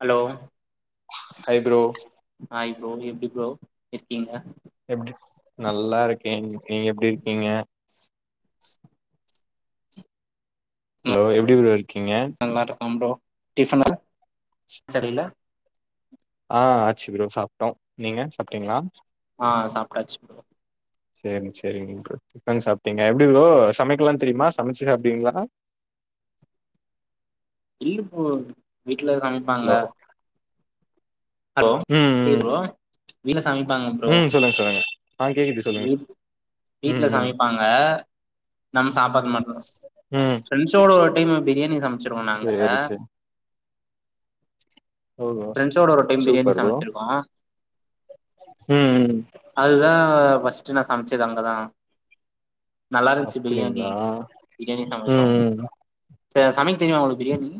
hello hi bro hi bro எப்டி bro நல்லா இருக்கேன் நீங்க எப்டி இருக்கீங்க நான் ஹலோ எப்டி ப் நல்லா இருக்கரோம் ப்ரோ டிப்பனா சரியல ஆஹ் ஆச்சு ப்ரோ சாப்ட்டோம் நீங்க சாப்பிட்டீங்களா ஆஹ் சாப்ட்டாச்சு செரி செரி உ டிப்பன் சாப்பிட்டீங்க எப்டி ப்ரோ சமைக்கலாம் தெரியுமா சமைச்சு சாப்பிடுவீங்களா இல்ல ப்ரோ வீட் வீட்டுல சமைப்பாங்க ஹலோ ம் ம் ஹலோா வீன சமப்பாங்க ப்ரோ ம் சொல்லுங்க சொல்லுங்க ஆ கேக்குது சொல்லுங்க வீட் சொல்லுங்க வீட்டுலே ம் ம் சமைப்பாங்க நம்ம சாப்றத மட்டும்தான் ம் ஃபிரண்ட்ஸ் ஓட ஒரு வா க்கியாமா பிரியாணி சமச்ச வச்சிருவோம் நாங்க சேரி சேரி ஓ பிரெண்ட்ஸோட ஒரு டைம் பிரியாணி சூப்பர் ப்ரோ சமைச்சிருக்கோ ம் ம் அதுதா பர்ஸ்ட் நான் சமைச்சது அங்கதான் நல்லா இருந்துச்சு பிரியாணி அப்டிங்களா பிரியாணி ம் சமைச்சோம் ம் ச சமைக்க தெரியுமா உஙகளுக்கு பிரியாணி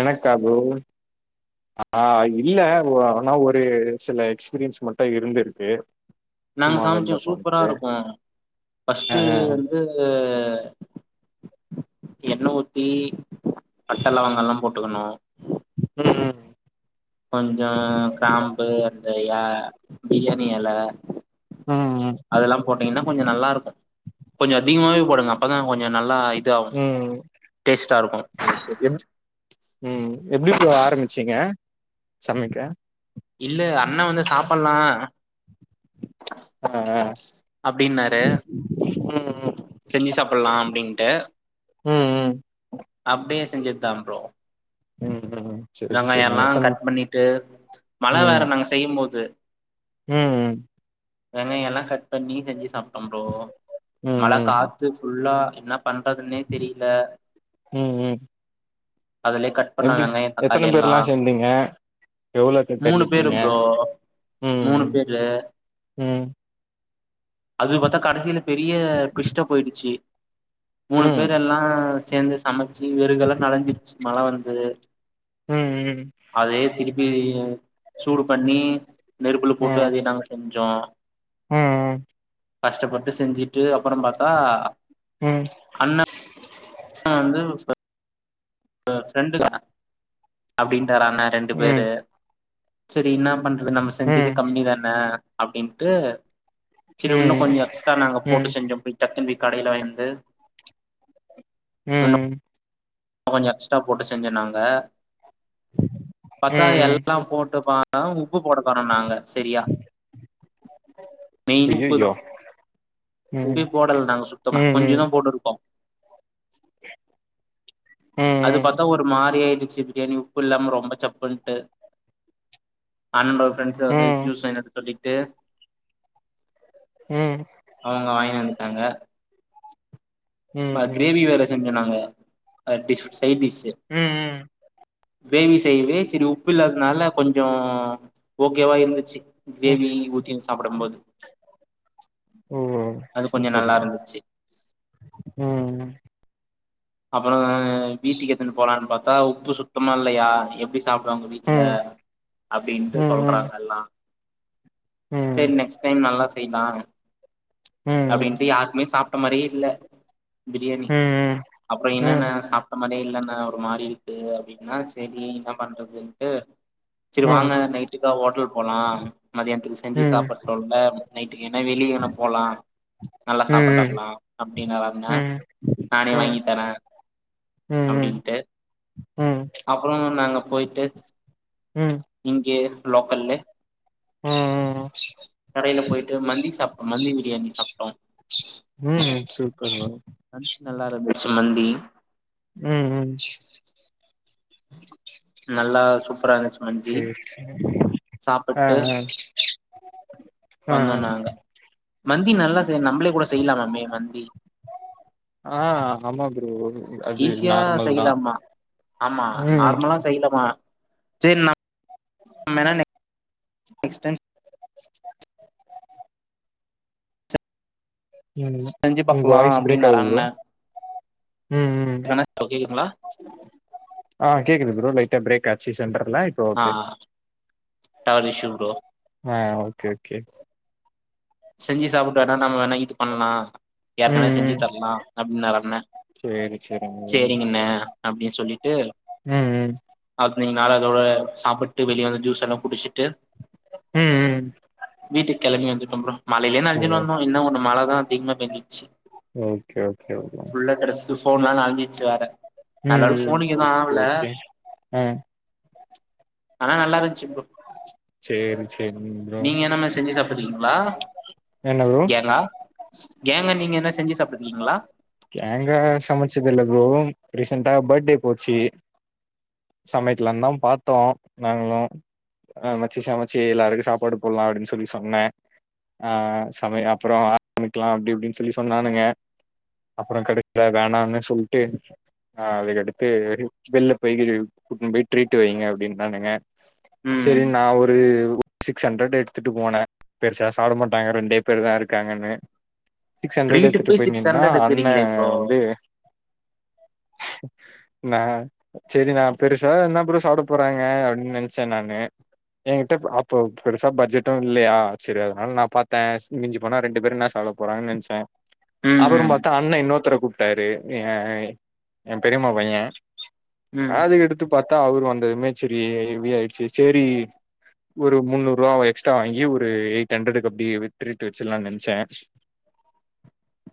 எனக்கா ப்ரோ ஆஹ் இல்ல ஆனா ஒரு சில எக்ஸ்பீரியன்ஸ் மட்டும் இருந்திருக்கு நாங்க சும்மா வெள்ல சமைச்சோம் சூப்பரா போனது இருக்கும் ஆ பஃஸ்ட்டு வந்து எண்ண உத்தி பட்டைலவங்கலாம் போட் [unintelligible] ம் பன் அ கிராம்பு அந்த எ பிரியாணி எல ம் ம் போட்டிங்கனா கொஞ்ச நல்லா இருக்கு கொஞ்ச அதிகமாவே போடுங்க அப்பதா கொஞ்ச நல்லா இதாவு ம் டேஸ்ட்டாருக்கு எப் ம் எப்டி ப்ரோ ஆரம்பிச்சிங்க சமைக்க இல்ல அண்ண வந்து சாப்பட்லா ஆ ஆ அப்படின்னாரு ம் ம் செஞ்சு சாப்பட்லா அப்டின்ட்டு ம் ம் அப்டியே செஞ்சதுதா ப்ரோ ம் ம் செரி வெங்காய செரிங்க எல்லா எத்தன கட் பண்ணிட்டு மழ ம் வேற நாங்க செய்யும் போது ம் ம் வெங்காய எல்லா கட் பண்ணி செஞ்சு சாப்ட்டம் ப்ரோ மழ ம் காத்து ஃபுல்லா பண்றதுனே தெரில ம் ம் அதுலே கட் பண்ண எப்டி வெங்காயோ தக்காளி எத்தன எல்லா பேர்ல்லா சேந்தீங்க எவ்வளோக்கு கறி மூணு பேரு எடுத்தீங்க ப்ரோ உம் மூணு பேரு உம் அது பாத்தா கடைசில பெரிய டிவிஸ்டா போயிடுச்சு மூணு ம் பேர் எல்லாச் சேந்து சமச் சு வெறகுல்லா நளஞ்சிடுச்சு மழ வரன் து ம் ம் அதையே திருப்பி சூடு பண்ணி நெருப்புல போட்டு அதையே நாங்க செஞ் ஜோ உம் உம் கஷ்டப்பட்டு செஞ்சுட்டு அப்பறம் பாத்தா உம் நா வந்து [unintelligible] ஆ ஃபிரண்டு தா அப்டின்னு வராங்க ரெண்டு ம் பேரு செரி என்ன பண்றது நம்ம செஞ்சது ம் கம்மி தானே அப்டின் ட செரி இன்னும் ம் கொஞ்சம் எக்ஸ்ட்ரா நாங்க போட்டு செஞ்சோ டக்குன்ன கடையில வயந்து உம் கொஞ்சம் எக்ஸ்ட்ரா போட்டு செஞ்சனாங்க பத்தா ம் எல்லாம் போட்டுப்பான் ஆ உப்பு போடக்கோன நாங்க செரியா மெயின் ஐயையோ உப்புதான் ம் உவே போடல நாங்க சுத்தமா ம் கொஞ்ச ம் தான் போட்டிருக்கோம் அது ம் பத்தா ஒரு மாரி ஆயி ச்சு பிரியாணி உப்பு இல்லாம ரொம்ப சப்புட்டு அன்ப ஃப்ரெண்ட்ஸ வந்து ம் ஜூஸ் வாங்கிட்டு வர சொல்லி ட்டு ம் அவுங்க வங்கின ஆங்க ம் ம ம் கிரேவி வேற செஞ்சோம் நாங்க அ டிஃ சைடீஸ் ம் ம் கிரேவி செய்யவே சரி உப்பு இல்லாதனால கொஞ்சோ ஓகேவா இருந்துச்சு ம் கிரேவி ஊத்தின்னனு சாப்படும்போது ஓ அது கொஞ்சம் சூப்பர் நல்லா ப்ரோ இருந்துச்சு ம் அப்புறம் வீட்டுக்கு எத்துனு போலான்னு பாத்தா உப்பு சுத்தமா இல்லையா எப்டி சா சாப்டுவங்க வீட்ல ம் அப்படின்ட்டு ம் ம் சொல்றாங்க எல்லாம் ம் செரி நெக்ஸ்ட் டைம் நல்லா செய்யலாம் ம் ம் ம் அப்டின்ட்டு யாருக்குமே சாப் ட மாரியே இல்ல பிரியாணி ம் ம் அப்புறம் என்னன்ன ம் சாப்பிட்ட மாரே இல் ஒரு மாரி இருக்கு அப்படின்னா சரி என்ன பண்றதுன்ட்டு சரி ம் வாங்க நைட்டுக்கா ஹோட்டல் போகலாம் மதியானத்துக்கு செஞ்சு ம் சாப்பட்டுல்ல நைட்டுக்கு என்ன வெளியனும் போகலாம் நல்லா சாப்பட்டு ம் வரலாம் அப்படின்னு இருந்தேன் நானே வாங்கி தரேன் ம் ம் அப்படின்ட்டு அப்புறம் நாங்க போய்ட்டு இங்கே லோக்கல்லே உம் உம் கடையில போயிட்டு மந்தி சாப்ட்டோம் மந்தி பிரியாணி சாப்ட்டோம் ம் சூப்பர் ப்ரோ அந்த் நல்லா இருந்தது சம்பந்தி உம் உம் நல்லா சூப்பரா இருந்துச்சு மந்தி சரி சரி சாப்பிட்டு ஆஹ் ஆஹ் ஆஹ் வந்தோ ஆஹ் நாங்க மந்தி நல்லா நம்மளே கூட செய்யலாமாமே மந்தி ஆ ஆமா ப்ரோ அது ஈஸியா நார்மல் தா செய்யலாமா ஆமா ம் நார்மலா செய்யலாமா சரி [inaudible] [inaudible] நெக்ஸ்ட் டைம்ஸ் ம் செஞ்சு உங்க பாக்கலா வாய்ஸ் பிரேக் அப்டின்னாரு ஆகுது ப்ரோ அண்ண ம் ம் இப்ப கேக்குதுங்களா ஆ கேக்குது ப்ரோ லைட்டா பிரேக் காட்சி சென்ற எல்லா இப்ப ஆ ஓகே டவர் இஸ்சு ப்ரோ ஆ ஓகே ஓகே செஞ்சு சாப்ட்டு வேணா நம்ம வேணா இது பண்ணலாம் ம் யார்கனா செஞ்சு ம் தரலாம் அப்டின்னாரு அண்ண சேரி சேரிங்க சேரிங்கண்ணே அப்டின்னு சொல்லிட்டு ம் ம் அப் நீங்கனாலு அதோட சாப்பிட்டு வெளியே வந்து ஜூஸ் எல்லா குடிச்சிட்டு ம் ம் வீட்டுக்கு கெளம்பி வந்துட்டோ ப்ரோ மழைலையே நெனஞ்சின்னு சேரி வந்தோ என்ன ஒன்னு மழ தா அதிகமா பேஞ்சி ஓகே ஓகே ப்ரோ ர ஃபோன்லாம் நனஞ்சிருச்சி வேற நல்ல வேல ம்ம் ஃபோனுக்கு எதுவு ஒகே ஆவல ஒகே ம் நா நல்லா இருந்துச்சு ப்ரோ சேரி சேரிங்க ப்ரோ நீங்க என்னமாரி செஞ்சு சாப் க்குதுங்களா என்ன ப்ரோ கேங்கா நீங்க எதனா செஞ்சு சாப்ட்ருக்கிங்ளா கேங்கா சமைச்சதில்ல ப்ரோ ரீசென்ட்டா பர்த்டே போச்சு சமைக்கலானுதா பாத்தோ நாங்ளா எதுனாச்சு சமைச்சு எல்லாருக்கு சாப்பாடு போடலா அப்டின்னு சொல்லி சொன்ன ஆ சம அப்பற ஆரம்பிக்கலா அப்டி இப்டின் சொல்லி சொன்னானுக அப்பற கடைல வேணானு சொல்ட்டு அதையடுத்து வெளில போய் கூட்டினு போய் ட்ரீட்டு வைங்க அப்டின்னானுக ம் செரின் நா ஒரு ஒரு சிக்ஸ் ஹண்ட்ரட் எடுத்துட்டு போனே பெருசா சாப்ட மாட்டாங்க ரெண்டே பேருதா இருக்காங்கன்னு சிக்ஸ் ஹண்ட்ரடு ட்ரீட்டுக்கு எத்துட்டு போய் சிக்ஸ் நின்னா ஹண்ட்ரட் என்ன எடுத்துக்கிறீங்களே ப்ரோ வந்து நா சரி நா பெருசா என்ன ப்ரோ சாப்பட போறாங்க அப்டின்னு நெனைச்ச நானு எங்கிட்ட அப்போ பெருசா பட்ஜெட்டு இல்லையா செரி அதனால நா பாத்தே மிஞ்சி போனா ரெண்டு பேரு என்னா சாப்பிட போறாங்கன்னு நெனைச்சே ம் ம் இன்னொருத்தர கூப்ட்டாரு எ எ பெரிம்மா பைய ம் அது எடுத்து பாத்தா அவரு வந்ததுமே செரி ஹெவி ஆயிடுச்சு சேரி ஒரு முன்னூறுபா அவ எக்ஸ்ட்ரா வாங்கி ஒரு எயிட் ஹண்ட்ரடுக்கு அப்டியே ட்ரீட் வெச்சர்லானு நெனைச்சே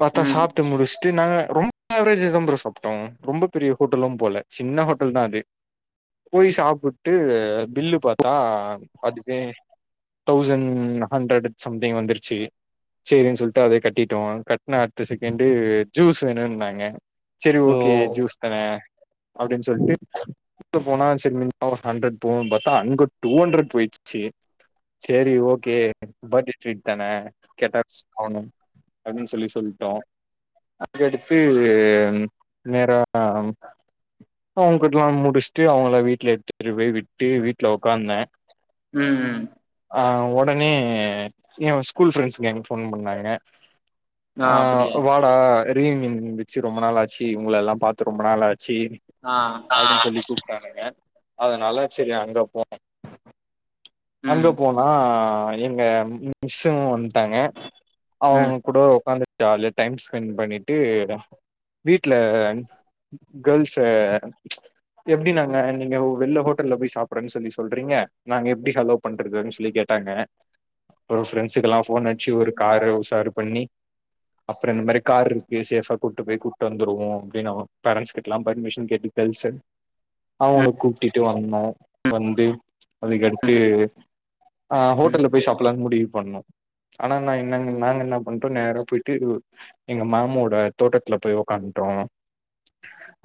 பாத்தா ம் சாப் ஃபஸ்ட்டு நாங்க ரொம்ப ஆவரேஜாதா ப்ரோ சாப்ட்டோ ரொம்ப பெரிய ஹோட்டலும் போல சின்ன ஹோட்டல்தா அது போய் சாப்பிட்டு பில்லு பாத்தா அதுவே தௌசண்ட் ஹண்ட்ரடன் சம்திங் வந்துருச்சு சேரின் சொல்ட்டு அதய கட்டிட்டோ கட்ன அடுத்த செக எண்டு ஜூஸ் வேணுன்னாங்க ச்சரி ஓ ஓகே ஜூஸ் தரே அப்டின் சொல்ட்டு ட்டு போனா சரி [inaudible] ஹண்ட்ரட் போவோன் பாத்தா அங்க டூ ஹண்ட்ரட் போய்ச்சி சரி ஓகே பர்டே ட்ரீட தான கேட்டாக் [unintelligible] அப்டின் சொல்லி சொல்ட்டோ அதுக்கடுத்து அன் நேறா அம் அவங் கிட்லா முடிச்ட்டு அவ்ங்கள வீட்ல எடுத்துட்டு வெய் விட்டு வீட்ல ஒக்காந்தே ம்ம் ப்பமே யவ் ஸ்கூல் ஃப்ரண்ஸ் எங் ஃபோன் பண்ணாங்க ஆ அ அப்பிடியா வாடா ரீமின் இ பிச்சி ரொம்ப நாள் ஆச்சு உங்கலல்லா பாத்து ரொம்ப நாளாட் ச்சேரி ஆ சரி கூப் ட்டானுங்க அதுனால ச்சரி அங்க போ அங்க ம் போனா எங்க மிஸ்ஸு வந்ட்டாங்க அவ்ங்க ம் கூட உக்காந்து ஜாலெட் டைம் ஸ்பெண் பண்ணிட்டு வீட்லன் கேர்ள்ஸ எப்டி நாங்க நீங்கவ் வெள்ல ஹோட்டல்ல போய் சாப்பறன் சொல்லி சொல்றீங்க நாங்க எப்டி ஹலோ பண்றதுன் சொல்லி கேட்டாங்க அறோ ஃப்ரெண்ஸுக்கெல்லா ஃபோன் அச்சி ஒரு கார் உசாரு பண்ணி அப்புறோ இந்த மாரி கார் இருக்கு சேஃபா கூட்டு போய் கூட்டு வந்துருவோ அப்டின்னு அவ பேரண்ட்ஸ் கிட்டல்லா பெர்மிஷன் கேட்டு டென்ஷன் ம் அவங்கள கூப்டுட்டு வந்தோ வந்து அதுக்கடுத்து ஆ ம் ஹோட்டல்ல போய் சாப்ட்லான்னு முடிவு பண்ணோம் ஆனா நா என்னங்க நாங்க என்ன பண்ட்டோ நேரா போயி ட்டு எங்க மாமோட தோட்டத்துல போய் உக்காந்துட்டோ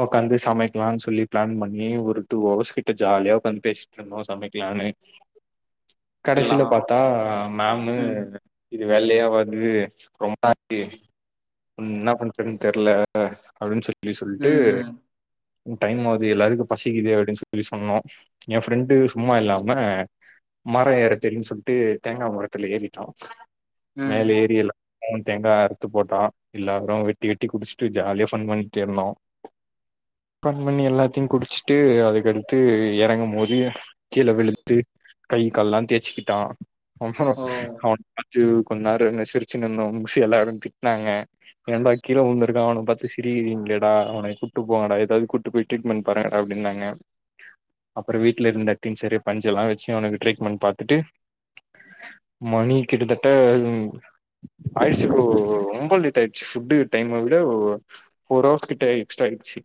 உக்காந்து சமைக்கலான் சொல்லி ப்ளன் பண்ணி ஒரு டூ அவர்ஸ் கிட்ட ஜாலியா உக்காந்து பேசிட்டு இருந்தோ சமைக்கலான்னு எல்லா கடைசில பாத்தா நான்னு ம் இது வெள்ளையா வருது ரொம்பா ட்டு என்ன பண்றதுன் தெர்ல அப்டின் சொல் அப்படி சொல்லிட்டு ம் ம் டைம் ஆகுது எல்லாருக்கும் பசிக்குது அப்படின்னு சொல்லி சொன்னோம் என் ஃப்ரெண்டு சும்மா இல்லாம மரம் ஏறத் தெரியும்னு சொல்லிட்டு தேங்காய் மரத்துல ஏறிட்டான் ம் மேல ஏரியல தேங்காய் அறுத்து போட்டா எல்லாரும் வெட்டி வெட்டி குடிச்சுட்டு ஜாலியா ஃபன் பண்ணிட்டு இருந்தோம் ஃபன் பண்ணி எல்லாத்தையும் குடிச்சுட்டு அதுக்கடுத்து இறங்கும் போது கீழ வெளுத்து கை கால்ல்லாம் தேய்ச்சுக்கிட்டான் அப்றம் ஓ அவன் [unintelligible] ஜு கொஞ்ச நேரம் இருந்து சிரிச்சு நின்னோ பிச்சு எல்லாரும் திட்டினாங்க என்டா கீழே உழுந்திருக்கா அவன பாத்து சிரிக்கிறீங்களேட அவன கூப்டு போங்கடா ஏதாவது கூட்டு போய் ட்ரீட்மெண்ட் பாருேங்கடா அப்டின்னாங்க அப்புறம் வீட்டுல இருந்த டின்ஜர் பஞ்செல்லா வச்சு அவனுக்கு ட்ரீட்மெண்ட் பாத்துட்டு மணி கிட்டத்தட்ட ஆயிடுச்சு ஃப்ரோ ரொம்ப லேட் ஆயிடுச்சு ஃபுட்டுக் டைம விட ஃபோர் ஹவர்ஸ் கிட்ட எக்ஸ்ட்ரா ஆயிடுச்சு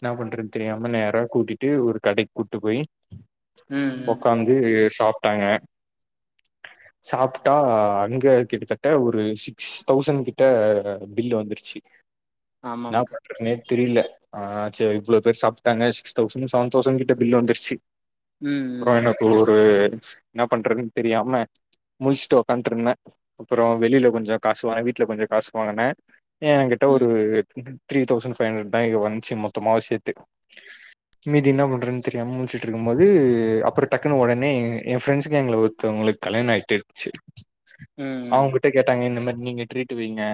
என்ன பண்றேன்னு தெரியாம நேர கூட்டிட்டு ஒரு கடைக்கு கூட்டு போய் ம் ம் உக்காந்து சாப் டாங்க சாப்டா அங்க கிட்டத்த ட்ட ஒரு சிக்ஸ் தௌசண்ட் கிட்ட பில் வந்துருச்சு என்னா ஆமாம் ப்ரோ பண்றனதே தெரியல ஆ சரி இவள பேரு சாப்டாங்க சிஸ் தௌசண்ட் செவன் தௌசண்ட் கிட்ட பில் வந்துருச்சு ம் அப்புறம் ம் எனக்கு ஒரு என்ன பண்றன்னு தெரியாம முழிச்சுட்டு உக்காட்டு இருந்தேன் அப்புறம் வெளியில கொஞ்சம் காசுவாங்க வீட்டுல கொஞ்சம் காசு வாங்கன்னா ஏன் கிட்ட ஒரு ம் த்ரீ தௌசண்ட் ஃபைவ் ஹண்ட்ரட் த வந்துச்சு மொத்தமாவே சேத்து மீதி என்ன பண்றதுன்னு தெரியாம முழிச்சுட்டு இருக்கும் போது அப்புறம் டக்குன் உடனே என் ஃரெண்ட்ஸு கேங்ல ஒருத்தவங்களுக்கு கல்யாணம் ஆயிட்டடுச்சு ம் ம் அவாங்ககிட்ட கேட்டாங்க இந்த மாரி நீங்க ட்ரீட்டு் வைங்க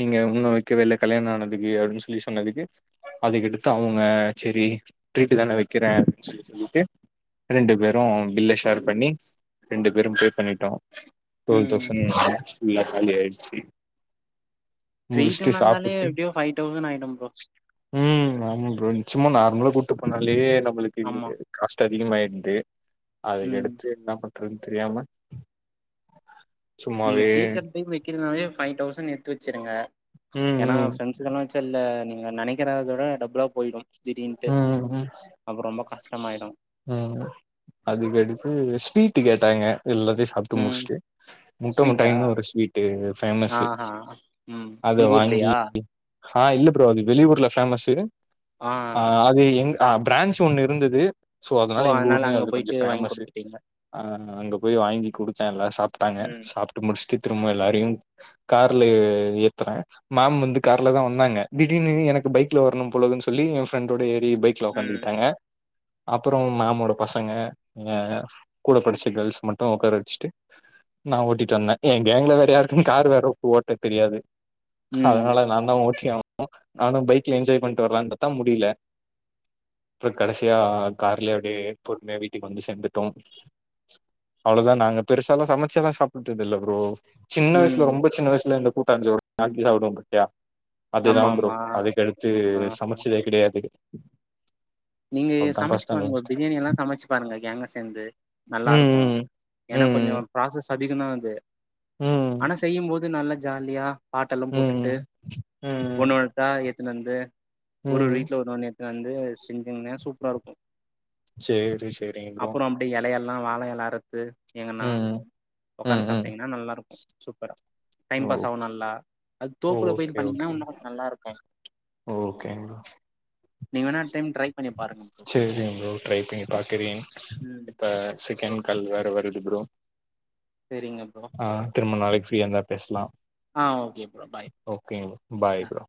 நீங்க இன்னும் வைக்கவேஇல்லை கல்யாணம் ஆனதுக்கு அப்படின்னு சொல்லி சொன்னதுக்கு அதுக்கடுத்து அவங்க சரி ட்ரீட்டு தானே வைக்கிறேன் அப்படின்னு சொல்லி சொல்லிட்டு ரெண்டு பேரும் பில்லலை ஷேர் பண்ணி ரெண்டு பேரும் பே பண்ணிட்டோம் ம் ஃபுல்லா காலி ஆயிடுச்சு ட்ரீட் முடிச்சுட்டு நடந்தாலே சாப்புட்டு எப்படியோ பைஃவ் தௌசண்ட் ஆயிடும் ஃப்ரோ ம் ஆமா ஃப்ரோ சும்மா நார்மலா கூட்டு போண்ணாலேயே உங்களுக்கு ஆமா இதுக்கு காசு அதிகமாயிருந்து அது ம் எடுத்து என்ன பண்றது தெரியாம நீங்க சும்மாவே ட்ரீட் அப்டி வைக்ற நாளே ஃபைவ் தௌசண்ட் எடுத்து வச்சிருங்க ம் ஏன்னா ம் ஃப்ரெண்ட்ஸ்களா வச்சு [unintelligible] ல்ல நீங்க நினைக்கிறத விட டபுளா போயிடும் உஹம் கஷ்டமாயிடு உம் அதுக்கடிச்சு ஸ்வீட்டு கேட்டாங்க எல்லாத்தையும் சாப்டு ம் முடிச்சுட்டு முட்ட ஸ்வீட்டா முட்டாய்னு ஒரு ஸ்வீட்டு ஃபேமஸ்ஸு ஆஹா ம் அத உங்க வாங்கி ஊர்லயா அ இல்ல ப்ரோ அது வெளியூர்ல ஃபேமஸு ஆ அ அது எங்க ஆ பிரான்ச் ஒண்ணு இருந்துது சோ ஓ அதனால எங்க ஊர்லியு அங்க அது கொஞ்சோ போயிட்டு வாங்கி ஃபேமஸு குடுத்துட்டீங்க அ அங்க போய் வாங்கி கொடுத்தே எல்லா சாப்ட்டாங்க ம் சாப்ட்டு முடிஷ்ட்டு திரும்ப எல்லாரையு கார்ல எ-ஏத்துறே மாம் வந்து கார்ல தா வந்தாங்க திடீனு எனக்கு பைக்ல வரணு போலதுன் சொல்லி ஃப்ரெண்டோட ஏ றி பைக்ல ம் உக்காந்துக்கிட்டாங்க அப்புறோ மாமோட பசங்க அ கூட படிச்ச கேள்ஸ் மட்டு உக்கார வச்சுட்டு நா ஓட்டிட்டு வந்தே எ கேங்க்ல வேற யாருக்குமே காரு வேற ஓட்ட தெரியாது அதனால ம் நான தா ஓட்டியாவ் னு நானு பைக்ல என்ஜாய் பண்ட்டு வரலான் பாத்தா முடி வேல அப்றோ கடைசியா கார்லே அப்டே பொறும்யா வீட்டுக் வந்து சேந்துட்டோ அவ்ளோதா நாங்க பெருசாலா சமைச்சில்ல சாப்புட்டுதில்ல ப்ரோ சின்ன வய்சுல ம் ரொம்ப சின்ன வய்சுல இந் கூட்டான் சோரு ஆக்கி சாப்ட்வோ பாத்தியா அததுதா ஆமா ப்ரோ ஆமா அதுக்கடுத்து ஆ சமைச்சதே [unintelligible] நீங்க அதா சமைச்சு ஃபர்ஸ்ட் பாருங்க அண்ட் பிரியாணி எல்லா சமைச்சு பாருங்க காங்கா சேந்து நல்லாருக்கோ ம் ஏன்னா ம் கொஞ்சோ ப்ராசஸ் அதிகதா அது ம் ஆனா செய்யும் போது நல்லா ஜாலியா பாட்டெல்லா ம் போட்டுட்டு ம் ஒன்னு ஒன்னுத்தா எத்துனு வந்து ஒரு ஒரு ம் வீட்ல ஒன்னு ஒன்னு எத் து வந்து செஞ்சங்கன்னா சூப்ராருக்கூ சேரி சேரிங்க ப்ரோ அப்புறோ அப்டியே எலையால ல்லா வாழையெல அறுத்து எங்கன்னா ம் ம் ஒக்காந்துன் ம் சாப்ட்டீங்கன்னா நல்லாருக்கூ சூப்பரா டைம் ஓ பாஸ் ஆவு நல்லா அது தோப்புல போயின் ஓகே பண்ணீங்கன்னா ஓகே உன்னு கொஞ்சு நல்லாருக்கூ ஓகேங்க ப்ரோ நீங் வேன்னா டைம் ட்ரை பண்ணி செரிங் ப்ரோ ட்ரை பண்ணி பாக்குறே ம் இப்ப ஓகே ப்ரோ செக்கேன் கால் வேற வருது ப்ரோ சரிங்க ப்ரோ அ திருமணோ ஆயிச் ஃப்ரீயா இந்தா பேஸ்லா அ okay bro bye bye bro